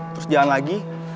terus jalan lagi